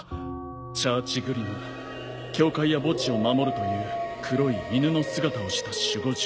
チャーチグリム教会や墓地を守るという黒い犬の姿をした守護獣。